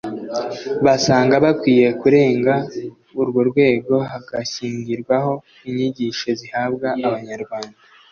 basanga bakwiye kurenga urwo rwego hagashyirwaho inyigisho zihabwa Abanyarwanda